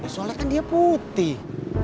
soalnya kan dia putih